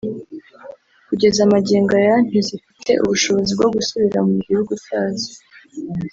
Kugeza magingo aya ntizifite ubushobozi bwo gusubira mu gihugu cyazo